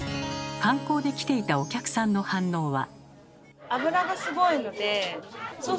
観光で来ていたお客さんの反応は？